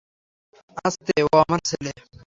আস্তে, ও আমার ছেলে!